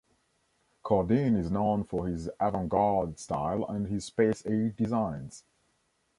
Cardin is known for his avant-garde style and his Space Age designs.